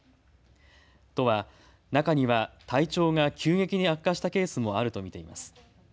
都は中には体調が急激に悪化したケースもあると見ています。